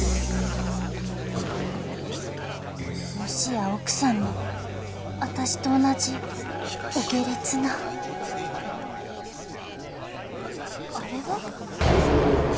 もしや奥さんも私と同じお下劣なあれは？